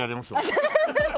アハハハ！